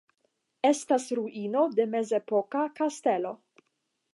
Estas ruino de mezepoka kastelo.